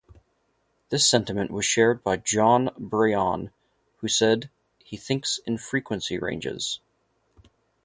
This sentiment was shared by Jon Brion who said, He thinks in frequency ranges.